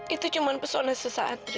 itu cuma pesona sesaat